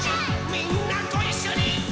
「みんなごいっしょにー！」